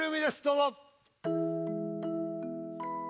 どうぞ。